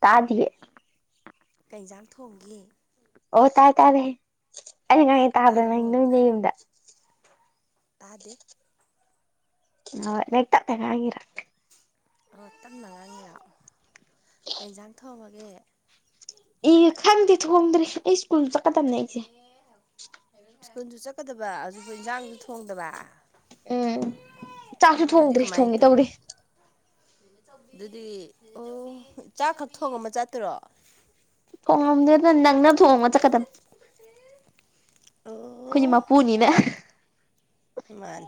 ꯇꯥꯗꯤꯌꯦ ꯀꯩ ꯖꯥꯡ ꯊꯣꯡꯒꯦ ꯑꯣ ꯇꯥꯔꯦ ꯇꯥꯔꯦꯍꯦ ꯑꯩꯉꯥꯡꯉꯤ ꯇꯥꯕ꯭ꯔꯥ ꯅꯪꯏ ꯇꯥꯔꯕꯣ ꯅꯌꯨꯝꯗ ꯇꯥꯗꯦ [unintelligible] ꯇꯞꯅ ꯉꯥꯡꯉꯤꯔꯣ ꯑꯣ ꯇꯞꯅ ꯉꯥꯡꯉꯤꯔꯣ ꯀꯩ ꯏꯟꯖꯥꯡ ꯊꯣꯡꯉꯒꯦ ꯏ ꯈꯪꯗꯦ ꯊꯣꯡꯗ꯭ꯔꯤ ꯑꯩ ꯁ꯭ꯀꯨꯜ ꯆꯠꯀꯗ꯭ꯕꯅꯦ ꯑꯩꯁꯦ ꯁ꯭ꯀꯨꯟꯁꯨ ꯆꯠꯀꯗꯕ ꯍꯧꯖꯤꯛꯕꯥꯎ ꯏꯟꯖꯥꯡꯁꯨ ꯊꯣꯡꯗꯕ ꯎꯝ ꯆꯥꯛꯁꯨ ꯊꯣꯡꯗ꯭ꯔꯤ ꯊꯣꯡꯉꯦ ꯇꯧꯔꯤ ꯗꯨꯗꯤ ꯑꯣ ꯆꯥꯛ ꯈꯛ ꯊꯣꯡꯉꯝꯃ ꯆꯠꯇꯣꯏꯔꯣ ꯊꯣꯡꯉꯝꯗꯦꯗ ꯅꯪꯅ꯭ꯕ ꯊꯣꯡꯉꯝꯃꯥ ꯆꯠꯀꯗ꯭ꯝ ꯈꯣꯏꯗꯤ ꯑꯣ ꯃꯄꯨꯅꯤꯅ ꯃꯥꯅꯤ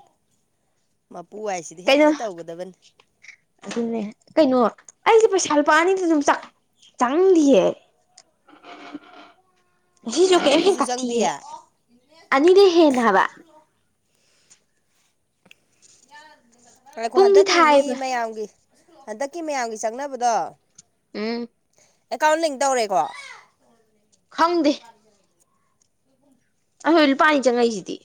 ꯃꯄꯨ ꯍꯥꯏꯁꯤꯗꯤ ꯀꯩꯅꯣ ꯍꯦꯛꯇ ꯇꯧꯒꯗꯕꯅꯤ ꯑꯗꯨꯅꯦ ꯀꯩꯅꯣ ꯑꯩꯁꯦ ꯄꯩꯁꯥ ꯂꯨꯄꯥꯅꯤꯗꯨꯖꯨ ꯆꯥ ꯆꯪꯗꯤꯌꯦ [inaudible] ꯉꯁꯤꯁꯨ ꯀꯩꯝ ꯑꯅꯤꯗꯨꯁꯨ ꯍꯦꯟꯒꯠꯇꯤꯌꯦ ꯆꯪꯗꯤꯌꯦ ꯑꯅꯤꯗꯩ ꯍꯦꯟꯗꯦ ꯍꯥꯕ ꯉꯥꯏꯈꯣ ꯄꯨꯡꯗꯤ ꯍꯟꯗꯛꯀꯤ ꯃꯤ ꯊꯥꯏꯌꯦꯕ ꯃꯌꯥꯝꯒꯤ ꯍꯟꯗꯛꯀꯤ ꯃꯌꯥꯝꯒꯤ ꯆꯪꯅꯕꯗꯣ ꯎꯝ ꯑꯦꯀꯥꯎꯟ ꯂꯤꯡ ꯇꯧꯔꯦꯀꯣ ꯑꯍꯣꯏ ꯂꯨꯄꯥꯥꯑꯅꯤ ꯆꯪꯉꯛꯏꯖꯤꯗꯤ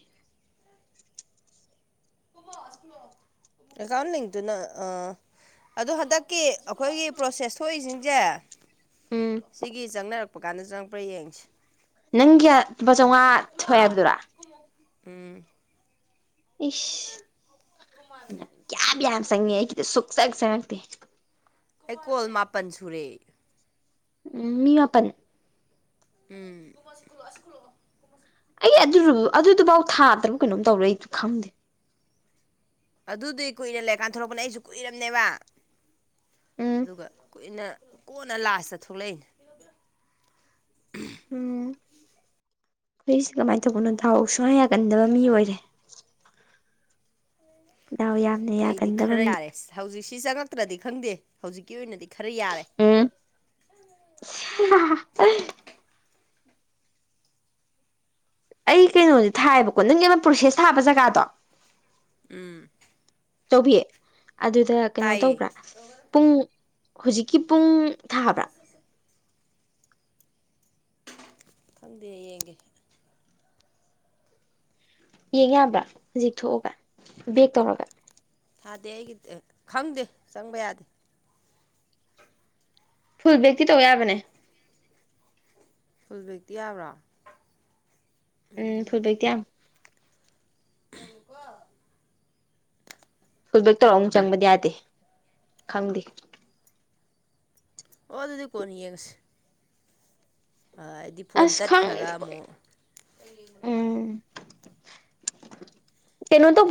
ꯑꯦꯀꯥꯎꯟ ꯂꯤꯡꯇꯨꯅ ꯑ ꯑꯗꯨ ꯍꯟꯗꯛꯀꯤ ꯑꯈꯣꯏꯒꯤ ꯄ꯭ꯔꯣꯁꯦꯁ ꯊꯣꯛꯏꯁꯤꯡꯁꯦ ꯎꯝ ꯁꯤꯒꯤ ꯆꯪꯅꯔꯛꯄ ꯀꯥꯟꯗ ꯆꯪꯉꯛꯄ꯭ꯔꯥ ꯌꯦꯡꯁꯤ ꯅꯪꯒꯤ ꯀꯌꯥ ꯂꯨꯄꯥ ꯆꯥꯝꯉꯥ ꯊꯣꯛꯑꯦ ꯍꯥꯏꯕꯗꯨꯔꯥ ꯎꯝ ꯏꯁ [unintelligible] ꯆꯪꯉꯦ ꯑꯩꯒꯤꯗ ꯁꯨꯛꯆꯪ ꯆꯪꯉꯛꯇꯦ ꯑꯩꯀꯣꯜ ꯃꯥꯄꯟ ꯁꯨꯔꯦ ꯎꯝ ꯃꯤ ꯃꯥꯄꯟ ꯎꯝ ꯕꯨꯡꯉꯣ ꯁꯤ ꯈꯨꯜꯂꯣ ꯑꯥꯁꯤ ꯈꯨꯜꯂꯛ ꯑꯣ ꯑꯩ ꯑꯗꯨ ꯑꯗꯨꯗꯨꯕꯥꯎ ꯊꯥ ꯇꯔꯨꯛ ꯀꯩꯅꯣꯝ ꯇꯧꯔꯦ ꯑꯩ ꯈꯪꯗꯦ ꯑꯗꯨꯗꯤ ꯀꯨꯏꯅ ꯂꯩꯔꯀꯥꯟ ꯊꯣꯔꯛꯄꯅꯦ ꯑꯩꯁꯨ ꯀꯨꯏꯔꯝꯅꯦꯕ ꯎꯝ ꯑꯗꯨꯒ ꯀꯨꯏꯅ ꯀꯣꯟꯅ ꯂꯥꯁꯇ ꯊꯣꯛꯂꯛꯏꯅꯦ ꯎꯝ [unintelligible] ꯇꯧꯕꯅꯣ ꯑꯝ ꯊꯥꯔꯣ ꯁꯨꯡꯌꯥ ꯌꯥꯒꯟꯗꯕ ꯃꯤ ꯑꯣꯏꯔꯦ ꯗꯥꯎ ꯌꯥꯝꯅ ꯑꯩꯗꯤ ꯌꯥꯒꯟꯗꯕ ꯈꯔ ꯃꯤ ꯌꯥꯔꯦ ꯍꯧꯖꯤꯁ ꯁꯤ ꯆꯪꯉꯛꯇ꯭ꯔꯗꯤ ꯈꯪꯗꯦ ꯍꯧꯖꯤꯛꯀꯤ ꯑꯣꯏꯅꯗꯤ ꯈꯔ ꯌꯥꯔꯦ ꯎꯝ [inaudible] ꯑꯩ ꯀꯩꯅꯣꯗꯤ ꯊꯥꯏꯌꯦꯕꯀꯣ ꯅꯪꯒꯤ ꯑꯃ ꯄ꯭ꯔꯣꯁꯦꯁ ꯊꯥꯕ ꯖꯒꯥꯗꯣ ꯎꯝ ꯇꯧꯕꯤ ꯑꯗꯨꯗ ꯀꯩꯅꯣ ꯇꯧꯕ꯭ꯔꯥ ꯄꯨꯡ ꯍꯧꯖꯤꯛꯀꯤ ꯄꯨꯡ ꯊꯥꯕ꯭ꯔꯥ ꯈꯪꯗꯦ ꯌꯦꯡꯒꯦ ꯌꯦꯡ ꯌꯥꯕ꯭ꯔꯥ ꯍꯧꯖꯤꯛ ꯊꯣꯛꯑꯒ ꯕꯦꯛ ꯇꯧꯔꯒ ꯊꯥꯗꯦ ꯑꯩꯒꯤ ꯈꯪꯗꯦ ꯆꯪꯕ ꯌꯥꯗꯦ ꯐꯨꯜ ꯕꯦꯛꯇꯤ ꯇꯧ ꯌꯥꯕꯅꯦ ꯐꯨꯜ ꯕꯦꯛꯇꯤ ꯌꯥꯕ꯭ꯔꯣ ꯎꯝ ꯐꯨꯜ ꯕꯦꯛꯇꯤ ꯌꯥꯝ ꯐꯨꯜꯕꯦꯛ ꯇꯧꯔꯛ ꯑꯃꯨꯛ ꯆꯪꯕꯗꯤ ꯌꯥꯗꯦ ꯈꯪꯗꯦ ꯑꯣ ꯑꯗꯨꯗꯤ ꯀꯣꯟꯅ ꯌꯦꯡꯉꯁꯤ ꯑꯩꯗꯤ ꯐꯣꯟ ꯑꯁ ꯈꯪ ꯇꯠꯈ꯭ꯔꯒ ꯑꯃꯨꯛ ꯎꯝ ꯀꯩꯅꯣ ꯇꯧ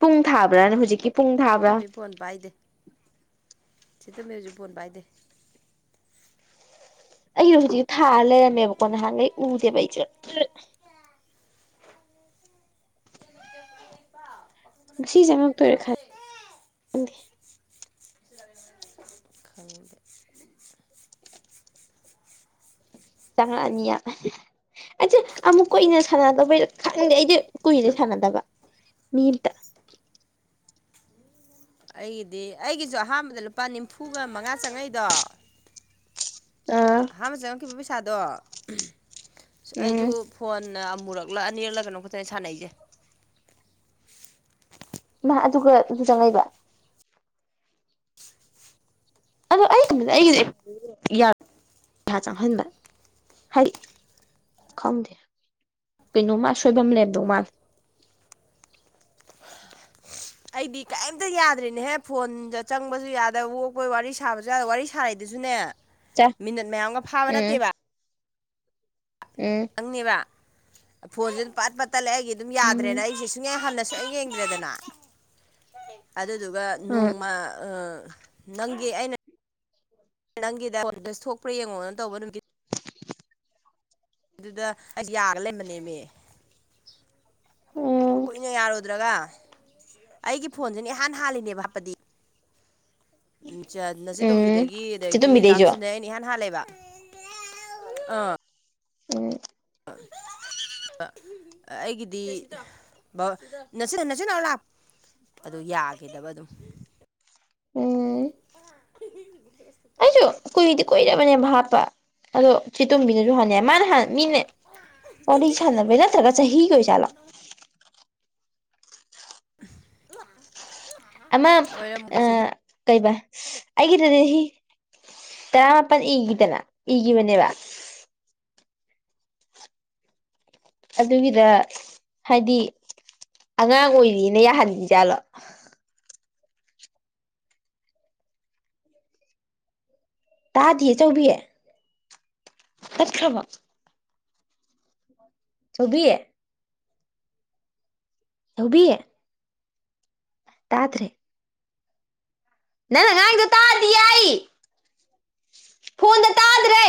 ꯄꯨꯡ ꯊꯥꯕ꯭ꯔꯥꯅꯦ ꯍꯧꯖꯤꯛꯀꯤ ꯄꯨꯡ ꯆꯦ ꯊꯥꯕ꯭ꯔꯥ ꯇꯣꯝꯕꯤ ꯐꯣꯟ ꯄꯥꯏꯗꯦ ꯆꯦ ꯇꯣꯝꯕꯤ ꯍꯧꯖꯤꯛ ꯐꯣꯟ ꯄꯥꯏꯗꯦ ꯑꯩꯁꯨ ꯍꯧꯖꯤꯛ ꯊꯥꯔ ꯂꯩꯔꯝꯃꯦꯕꯀꯣ ꯅꯍꯥꯟꯈꯩ ꯎꯗꯦꯕ ꯑꯩꯁꯨ ꯉꯁꯤ ꯆꯪꯉꯛꯇꯣꯏꯔ ꯈꯪ ꯈꯪꯗꯦ [inaudible] ꯆꯪꯉꯅꯤꯌꯥ ꯑꯩꯁꯦ ꯑꯃꯨꯛ ꯀꯨꯏꯅ ꯁꯥꯟꯅꯗꯕꯩ ꯈꯪꯗꯦ ꯑꯩꯗꯤ ꯀꯨꯏꯔꯦ ꯁꯥꯟꯅꯗꯕ ꯃꯤꯠ ꯑꯩꯒꯤꯗꯤ ꯑꯩꯒꯤꯁꯨ ꯑꯍꯥꯟꯕꯗ ꯂꯨꯄꯥ ꯅꯤꯝꯐꯨꯒ ꯃꯉꯥ ꯆꯪꯉꯛꯏꯗꯣ ꯑꯥ ꯑꯍꯥꯟꯅ ꯆꯪꯉꯛꯈꯤꯕ ꯄꯩꯁꯥꯗꯣ ꯑꯩꯁꯨ ꯎꯝ ꯐꯣꯟꯅ ꯑꯃ ꯃꯨꯔꯛꯂ ꯑꯅꯤꯔꯂ ꯀꯩꯅꯣ ꯈꯇꯅ ꯁꯥꯟꯅꯩꯁꯦ ꯃ ꯑꯗꯨꯒ ꯑꯗꯨ ꯆꯪꯉꯛꯏꯕ ꯑꯗꯣ ꯑꯩꯒꯤ ꯑꯩꯒꯤ ꯄꯩꯁꯥ ꯆꯪꯍꯟꯕ ꯍꯩ ꯈꯪꯗꯦ ꯀꯩꯅꯣꯃ ꯑꯁꯣꯏꯕꯝ ꯂꯩꯝꯗꯧ ꯃꯥꯂ [inaudible] ꯑꯩꯗꯤ ꯀꯔꯤꯝꯇ ꯌꯥꯗ꯭ꯔꯤꯅꯦꯍꯦ ꯐꯣꯟꯗ ꯆꯪꯕꯁꯨ ꯌꯥꯗꯕ ꯑꯣꯛꯄꯣꯏ ꯋꯥꯔꯤ ꯁꯥꯕꯁꯨ ꯌꯥꯗ ꯋꯥꯔꯤ ꯁꯥꯔꯏꯗꯨꯁꯨꯅꯦ ꯆꯥ ꯃꯤꯅꯠ ꯃꯌꯥꯝꯒ ꯐꯥꯕ ꯎꯝ ꯅꯠꯇꯦꯕ ꯎꯝ ꯅꯪꯅꯦꯕ ꯐꯣꯟꯁꯨ ꯑꯗꯨꯝ ꯄꯠ ꯄꯠ ꯇꯠꯂꯦ ꯑꯩꯒꯤ ꯑꯗꯨꯝ ꯎꯝ ꯌꯥꯗ꯭ꯔꯦꯅ ꯑꯩꯁꯦ ꯁꯨꯡꯌꯥ ꯍꯥꯟ ꯁꯨꯛ ꯌꯦꯡꯗ꯭ꯔꯦꯗꯅ ꯑꯗꯨꯗꯨꯒ ꯎꯝ ꯅꯣꯡꯃ ꯑꯥ ꯅꯪꯒꯤ ꯑꯩꯅ ꯅꯪꯒꯤꯗ ꯊꯣꯛꯄ꯭ꯔꯥ ꯌꯦꯡꯉꯣꯅ ꯇꯧꯕ ꯅꯨꯃꯤꯠ ꯑꯗꯨꯗ ꯑꯩꯁ ꯌꯥꯔꯒ ꯂꯩꯔꯝꯃꯦ ꯎꯝ ꯀꯨꯏꯅ ꯌꯥꯔꯣꯏꯗ ꯗꯔꯥꯒ ꯑꯩꯒꯤ ꯐꯣꯟꯁꯤꯅꯦ ꯏꯍꯥꯟ ꯍꯥꯜꯂꯤꯅꯦꯕ ꯍꯥꯞꯄꯗꯤ ꯎꯝ ꯅꯆ ꯎꯝ ꯇꯣꯝꯕꯤꯗꯒꯤ ꯆꯦ ꯑꯗꯒꯤ ꯇꯣꯝꯕꯤꯗꯩꯁꯨ ꯇꯥꯝꯁꯤꯟꯗ ꯑꯩꯅ ꯏꯍꯥꯟ ꯍꯥꯜꯂꯦꯕ ꯑꯥ ꯎꯝ [inaudible] ꯑꯩꯒꯤꯗꯤ ꯅꯆꯤꯟꯅꯥꯎ ꯂꯥ ꯑꯗꯨ ꯌꯥꯈꯤꯗꯕ ꯑꯗꯨꯝ ꯎꯝ ꯑꯩꯁꯨ ꯀꯨꯏꯗꯤ ꯀꯔꯕꯅꯦ ꯍꯥꯞꯄ ꯑꯗꯣ ꯆꯦꯇꯝꯕꯤꯅꯁꯨ ꯍꯅꯤ ꯃꯥꯅ ꯍ ꯃꯤꯅ ꯋꯥꯔꯤ ꯁꯥꯟꯅꯕꯩ ꯅꯠꯇ꯭ꯔꯒ ꯆꯥꯍꯤꯒꯤ ꯑꯣꯏ ꯖꯥꯠꯂꯣ [unintelligible] ꯑꯃ ꯑꯣꯏꯔꯝꯕꯗ ꯑ ꯆꯍꯤ ꯀꯩꯕ ꯑꯩꯒꯤꯗꯗꯤ ꯍꯤ ꯇꯔꯥꯃꯥꯄꯟ ꯏꯒꯤꯗꯅꯥ ꯢꯒꯤꯕꯅꯦꯕ ꯑꯗꯨꯒꯤꯗ ꯍꯥꯏꯗꯤ ꯑꯉꯥꯡ ꯑꯣꯏꯔꯤꯅ ꯌꯥꯍꯟꯗ꯭ꯔꯤꯖꯥꯠꯂꯣ ꯇꯥꯗꯤꯌꯦ ꯆꯧꯕꯤ ꯇꯠꯈ꯭ꯔꯕꯣ ꯆꯧꯕꯤ ꯆꯧꯕꯤ ꯇꯥꯗ꯭ꯔꯦ ꯅꯪꯅ ꯉꯥꯡꯂꯤꯗꯣ ꯇꯥꯗꯤꯌꯦ ꯑꯩ ꯐꯣꯟꯗ ꯇꯥꯗ꯭ꯔꯦ